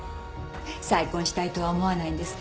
再婚したいとは思わないんですか？